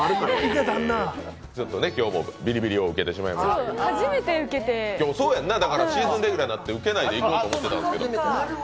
今日もビリビリを受けてしまいましたがシーズンレギュラーになって受けないでいこうかと思ったんだけど。